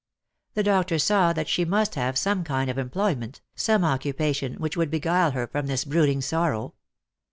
The doctor saw that she must have some kind of employ ment, some occupation which would beguile her from this brooding sorrow.